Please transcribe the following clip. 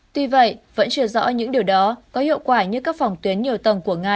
tuy vậy vẫn chưa rõ những điều đó có hiệu quả như các phòng tuyến nhiều tầng của nga